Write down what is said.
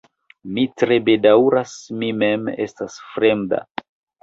Mi tre bedaŭras, mi mem estas fremda.